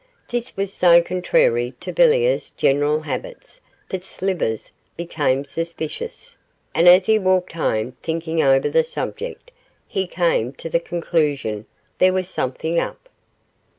This was so contrary to Villiers' general habits that Slivers became suspicious, and as he walked home thinking over the subject he came to the conclusion there was something up.